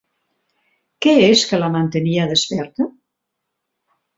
Què és el que la mantenia desperta?